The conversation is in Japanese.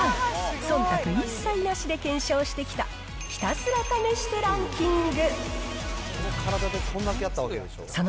そんたく一切なしで検証してきた、ひたすら試してランキング。